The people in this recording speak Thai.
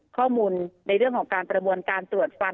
ข้อมูลในเรื่องของการกระบวนการตรวจฟัน